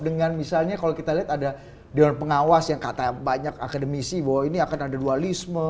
dengan misalnya kalau kita lihat ada dewan pengawas yang kata banyak akademisi bahwa ini akan ada dualisme